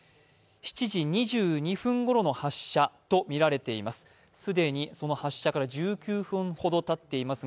７時２２分ごろの発射とみられています。